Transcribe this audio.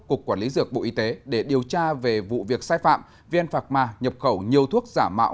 cục quản lý dược bộ y tế để điều tra về vụ việc sai phạm vn phạc ma nhập khẩu nhiều thuốc giả mạo